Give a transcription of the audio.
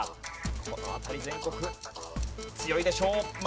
この辺り全国強いでしょう。